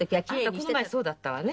あなたこの前そうだったわね。